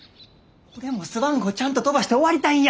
俺もスワン号ちゃんと飛ばして終わりたいんや。